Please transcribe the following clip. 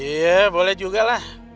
iya boleh juga lah